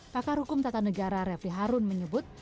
pakar hukum tata negara refli harun menyebut